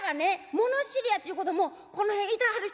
物知りやっちゅうこともうこの辺いてはる人